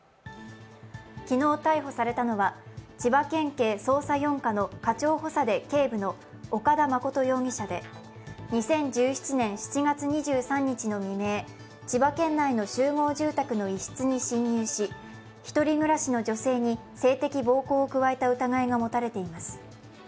昨日逮捕されたのは、千葉県警捜査４課の課長補佐で警部の岡田誠容疑者で２０１７年７月２３日の未明、千葉県内の集合住宅の一室に侵入し１人暮らしの女性に性的暴行を加えた疑いが持たれています。